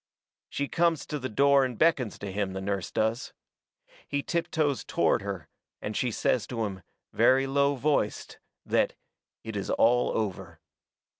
She comes to the door and beckons to him, the nurse does. He tiptoes toward her, and she says to him, very low voiced, that "it is all over."